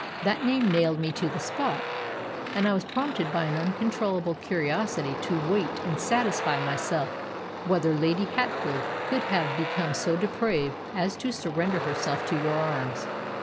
That name nailed me to the spot—and I was prompted by an uncontrollable curiosity to wait and satisfy myself whether Lady Hatfield could have become so depraved as to surrender herself to your arms."